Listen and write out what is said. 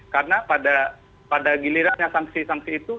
karena pada gilirannya sanksi sanksi itu